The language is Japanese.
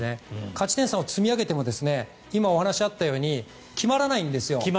勝ち点３を積み上げても今、お話があったように決まらないんです。